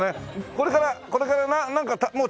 これからこれからなんかもう食べました？